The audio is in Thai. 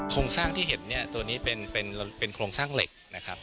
โครงสร้างที่เห็นเนี่ยตัวนี้เป็นโครงสร้างเหล็กนะครับ